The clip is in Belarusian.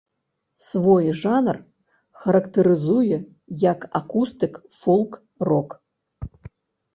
Свой жанр характарызуе як акустык-фолк-рок.